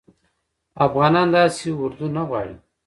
افغانان داسي اردوه نه غواړي